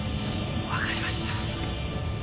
分かりました。